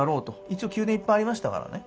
一応宮殿いっぱいありましたらからね。